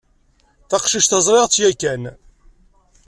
Taqcict-a ẓriɣ-tt yakan.